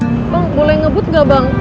bang boleh ngebut gak bang